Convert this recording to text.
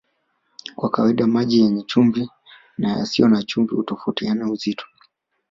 Kwa kawaida maji yenye chumvi na yasiyo na chumvi hutofautiana uzito